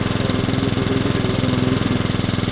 Sir, আমায় কেন গ্রেফতার করা হয়েছে সেটা জানা আমার মৌলিক অধিকার!